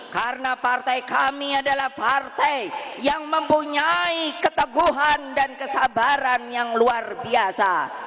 karena partai kami adalah partai yang mempunyai keteguhan dan kesabaran yang luar biasa